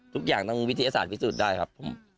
ทุกอย่างต้องวิทยาศาสตร์พิสูจน์ได้ครับผม